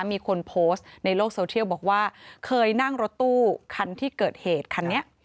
มีคนโพสต์ในโลกโซเทียลบอกว่าเคยนั่งรถตู้คันที่เกิดเหตุคันนี้